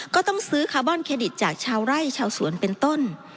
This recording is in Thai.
ก็ต้องซื้อคาร์บอนเครดิตจากชาวไร่ชาวสวนเป็นต้น